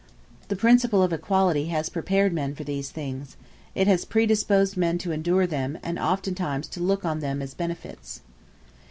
The principle of equality has prepared men for these things: it has predisposed men to endure them, and oftentimes to look on them as benefits.